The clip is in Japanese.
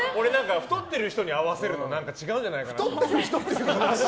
太っている人に合わせるの何か違うんじゃないかなって。